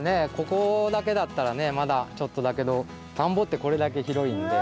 ここだけだったらねまだちょっとだけどたんぼってこれだけひろいんで。